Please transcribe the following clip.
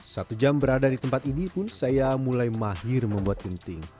satu jam berada di tempat ini pun saya mulai mahir membuat genting